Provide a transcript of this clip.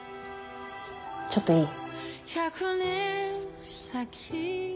ちょっといい？